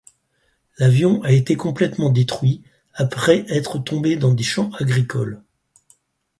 L'avion a été complètement détruit après être tombé dans des champs agricoles.